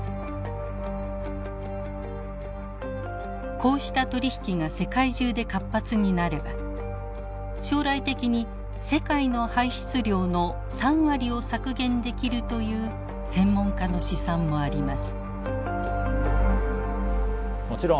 こうした取り引きが世界中で活発になれば将来的に世界の排出量の３割を削減できるという専門家の試算もあります。